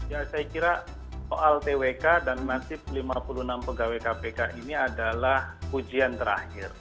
ya saya kira soal twk dan masif lima puluh enam pegawai kpk ini adalah ujian terakhir